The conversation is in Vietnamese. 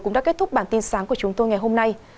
cũng đã kết thúc bản tin sáng của chúng tôi ngày hôm nay